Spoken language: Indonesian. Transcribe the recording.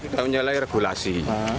kita menyalahi regulasi